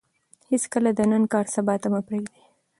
هېڅکله د نن کار سبا ته مه پرېږدئ.